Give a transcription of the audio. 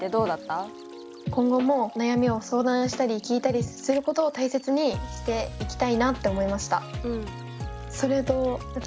今後も悩みを相談したり聞いたりすることを大切にしていきたいなって思いました。